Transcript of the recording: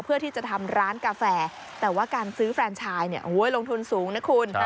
เพื่อที่จะทำร้านกาแฟแต่ว่าการซื้อแฟนชายลงทุนสูงนะคุณ